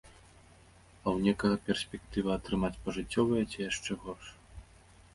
А ў некага перспектыва атрымаць пажыццёвае ці яшчэ горш.